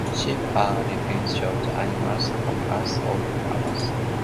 Sheep are relatively short animals compared to horses.